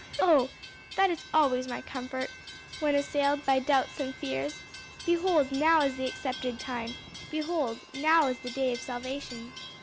Oh that is always my comfort when assailed by doubts and fears! 'Behold, now is the accepted time; behold, now is the day of salvation.'